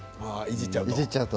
いじっちゃうと。